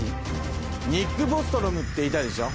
ニック・ボストロムっていたでしょ？